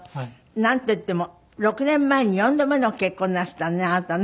なんといっても６年前に４度目の結婚をなすったのねあなたね。